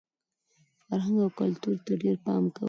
فرهنګ او کلتور ته ډېر پام کوئ!